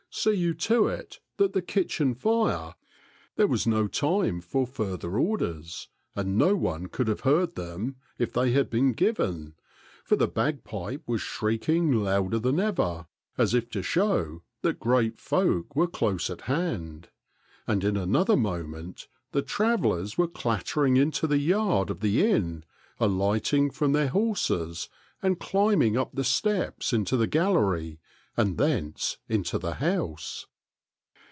See you to it that the kitchen fire —" There was no time for further orders, and no one could have heard them if they had been given, for the bagpipe was shrieking louder than ever, as if to show that great folk were close at hand ; and in another mo ment the travelers were clattering into the yard of the inn, alighting from their horses, and climbing up the steps into the gallery and thence into the house.